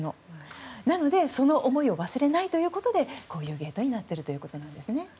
なので、その思いを忘れないということでこういうゲートになっているということです。